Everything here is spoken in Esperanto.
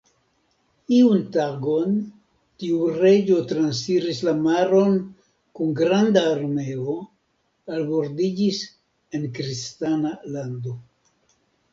Iun tagon tiu reĝo transiris la maron kun granda armeo, albordiĝis en kristana lando.